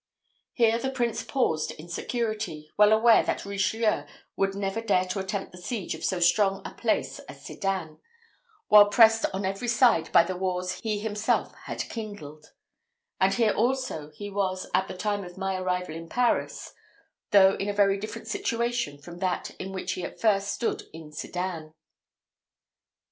Here the prince paused in security, well aware that Richelieu would never dare to attempt the siege of so strong a place as Sedan, while pressed on every side by the wars he himself had kindled; and here also he was, at the time of my arrival in Paris, though in a very different situation from that in which he at first stood in Sedan.